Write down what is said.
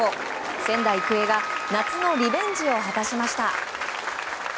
仙台育英が夏のリベンジを果たしました。